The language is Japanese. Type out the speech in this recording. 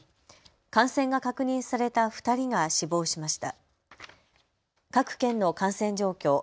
感染が確認された２人が死亡しました。